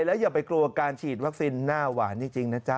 แล้วอย่าไปกลัวการฉีดวัคซีนหน้าหวานจริงนะจ๊ะ